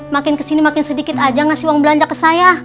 makin kesini makin sedikit aja ngasih uang belanja ke saya